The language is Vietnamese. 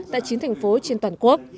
tại chín thành phố trên toàn quốc